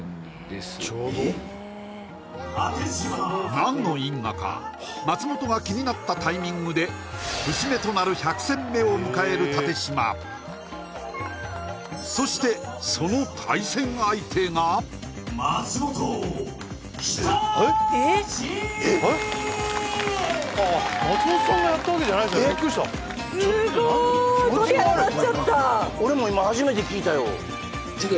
何の因果か松本が気になったタイミングで節目となる１００戦目を迎える立嶋そしてその松本さんがやったわけじゃないですよねビックリしたすごーいっ何とＲｏｕｎｄ１今夜立嶋